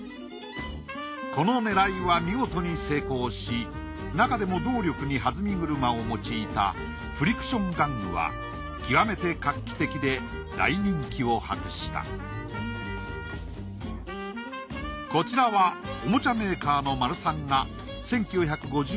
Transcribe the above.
この狙いは見事に成功しなかでも動力にはずみ車を用いたフリクション玩具は極めて画期的で大人気を博したこちらはおもちゃメーカーのマルサンが１９５３年に製造したキャデラック。